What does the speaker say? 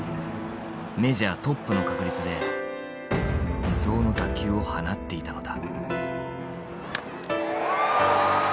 メジャートップの確率で理想の打球を放っていたのだ。